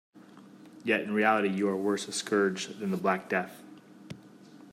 Yet, in reality, you are worse a scourge than the Black Death.